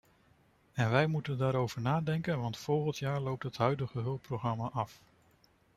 En wij moeten daarover nadenken want volgend jaar loopt het huidige hulpprogramma af.